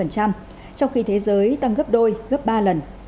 trong khi thế giới tăng gấp đôi gấp ba lần